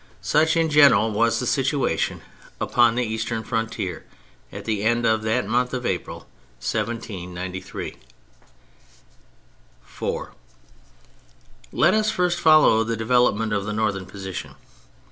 Such in general was the situation upon the eastern frontier at the end of that month of April, 1793. FOUR Let us first follow the development of the northern position.